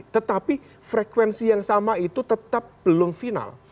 tetapi frekuensi yang sama itu tetap belum final